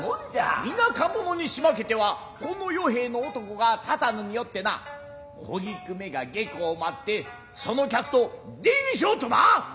田舎者に仕負けては此の与兵衛の男が立たぬによってナ小菊めが下向を待ってその客と出入りしょうとナァ。